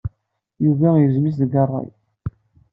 Yuba yegzem-itt deg ṛṛay.